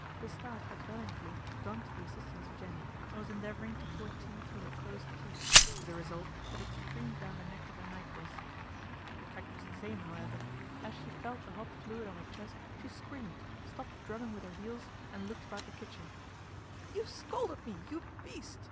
Gustave had valiantly gone to the assistance of Jenny, and was endeavouring to pour tea through her closed teeth, with the result that it streamed down the neck of her nightdress. The effect was THE AIR RAID 269 the same, however. As she felt the hot fluid on her chest she screamed, stopped drumming with her heels and looked about the kitchen. ' You've scalded me, you beast